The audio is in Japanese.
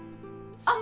あっ！